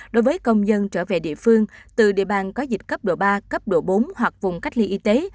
đối với công dân trở về địa phương từ địa bàn có dịch cấp độ ba cấp độ bốn hoặc vùng cách ly y tế